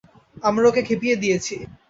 আমরা ওকে খেপিয়ে দিয়েছি।